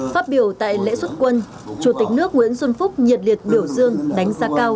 phát biểu tại lễ xuất quân chủ tịch nước nguyễn xuân phúc nhiệt liệt biểu dương đánh giá cao